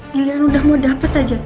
pilihan udah mau dapet aja